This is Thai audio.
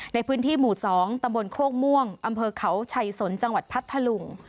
ในพื้นที่หมู่๒ตำบลโคกม่วงอำเภอเขาชัยสนจังหวัดพัทธลุง